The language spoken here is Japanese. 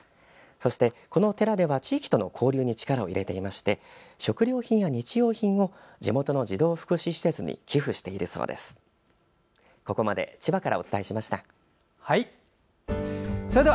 そしてこの寺では地域との交流に力を入れていまして食料品や日用品を児童福祉施設に寄付しているそうです。